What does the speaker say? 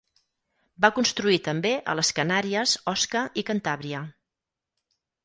Va construir també a les Canàries, Osca i Cantàbria.